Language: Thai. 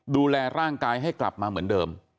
ดูแลร่างกายให้กลับมาเหมือนเดิม